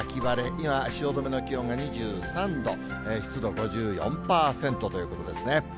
今、汐留の気温が２３度、湿度５４％ということですね。